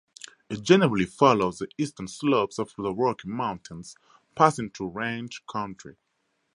It generally follows the eastern slopes of the Rocky Mountains, passing through ranch country.